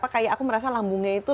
kayak aku merasa lambungnya itu